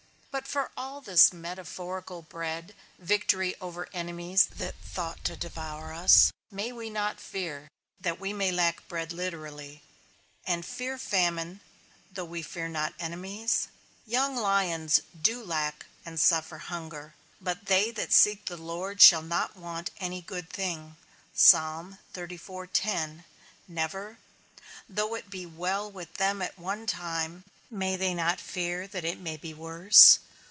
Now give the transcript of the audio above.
But for all this metaphorical bread, victory over enemies that thought to devour us, may we not fear, that we may lack bread literally? And fear famine, though we fear not enemies? Young lions do lack and suffer hunger, but they that seek the Lord shall not want any good thing. Never? Though it be well with them at one time, may they not fear that it may be worse?